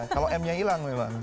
kalau m nya hilang memang